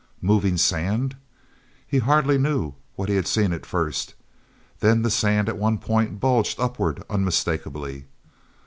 Moving sand! He hardly knew what he had seen at first. Then the sand at one point bulged upward unmistakably.